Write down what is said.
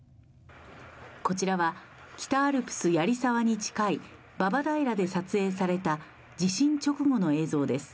こちらは北アルプス・槍沢に近いババ平で撮影された地震直後の映像です。